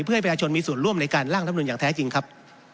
เพื่อให้ประชาชนมีส่วนร่วมในการร่างรัฐมนุนอย่างแท้จริงครับ